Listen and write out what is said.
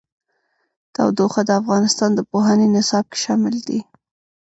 تودوخه د افغانستان د پوهنې نصاب کې شامل دي.